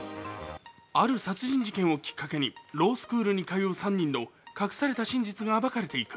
ある殺人事件をきっかけにロースクールに通う３人の隠された真実が暴かれていく。